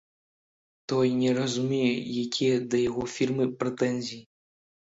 Той не разумее, якія да яго фірмы прэтэнзіі.